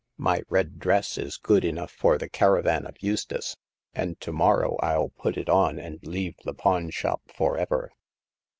My red dress is good enough for the caravan of Eustace ; and to morrow Fll put it on, and leave the pawn shop forever."